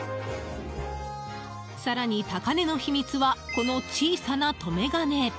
更に、高値の秘密はこの小さな留め金。